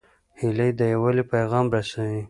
هیلۍ د یووالي پیغام رسوي